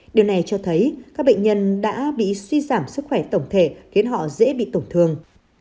điều này cho thấy các bệnh nhân đã bị suy giảm sức khỏe tổng thể khiến họ dễ bị tổn thương